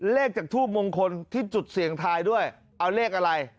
เลขจากทูบมงคลที่จุดเสี่ยงทายด้วยเอาเลขอะไร